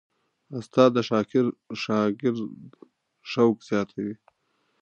استاد د شاګرد شوق زیاتوي.